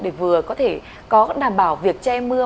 để vừa có thể đảm bảo việc che mưa